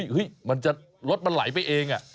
เฮ้ยมันจะรถมันไหลไปเอง